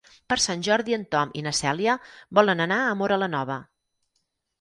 Per Sant Jordi en Tom i na Cèlia volen anar a Móra la Nova.